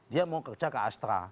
dia mau kerja ke astra